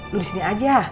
lo di sini aja